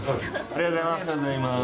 ありがとうございます。